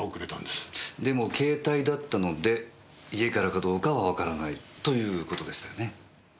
でも携帯だったので家からかどうかはわからないという事でしたよね？